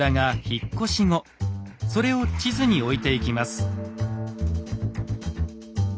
それを地図に置いていきます。